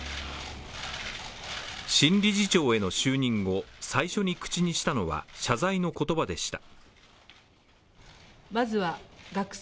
新理事長への就任後、最初に口にしたのは謝罪の言葉でした。